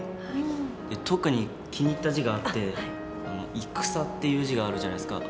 特に気に入った字があって「戦」っていう字があるじゃないですか。